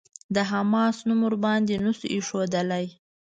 د «حماس» نوم ورباندې نه شو ايښودلای.